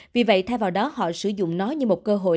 vì vậy thay vào đó họ sử dụng nó như một cơ hội